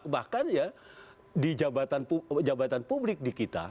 bahkan ya di jabatan publik di kita